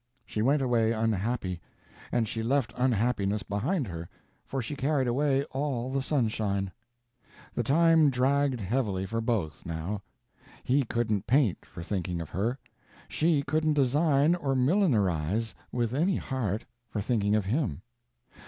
She went away unhappy; and she left unhappiness behind her; for she carried away all the sunshine. The time dragged heavily for both, now. He couldn't paint for thinking of her; she couldn't design or millinerize with any heart, for thinking of him.